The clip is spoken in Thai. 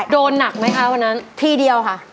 โดนหนักไหมคะวันนั้นที่เดียวค่ะ